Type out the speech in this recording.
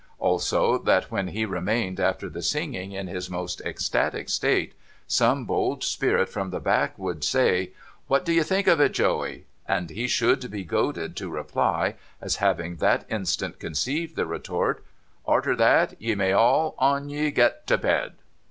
Also that when he remained after the singing in his most ecstatic state, some bold spirit from the back should say, ' What do you think of it, Joey ?' and he should be goaded to reply, as having that instant conceived the retort, ' Arter that, ye may all on ye get to bed